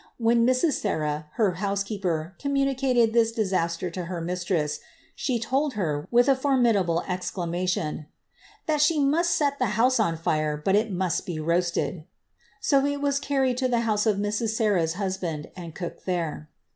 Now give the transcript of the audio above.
When Mrs. Sarah, her housekeeper, communicated this disaster to oer mistress, she told her, with a formidable exclamation, ^ that she must set the house on fire, but it must be roasted ;^' so it was carried to the house of Mrs. Sarah ^s husband, and cooked there.'